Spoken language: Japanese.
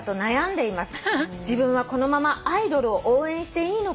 「自分はこのままアイドルを応援していいのか？」